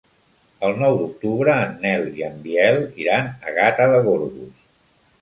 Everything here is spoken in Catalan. El nou d'octubre en Nel i en Biel iran a Gata de Gorgos.